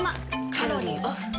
カロリーオフ。